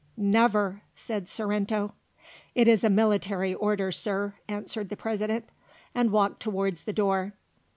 "Never!" said Sorrento. "It is a military order, Sir," answered the President, and walked towards the door.